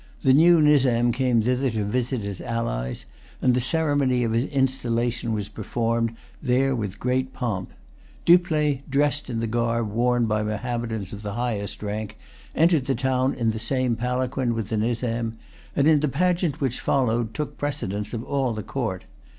The new Nizam came thither to visit his allies; and the ceremony of his installation was performed there with great pomp. Dupleix, dressed in the garb worn by Mahommedans of the highest rank, entered the town in the same palanquin with the Nizam, and, in the pageant which followed, took precedence of all the court.